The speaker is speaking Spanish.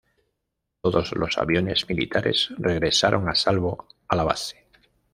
Todos los aviones militares regresaron a salvo a la base.